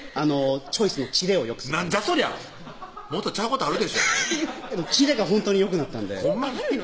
チョイスの切れをよくするなんじゃそりゃもっとちゃうことあるでしょ切れがほんとによくなったんでほんま？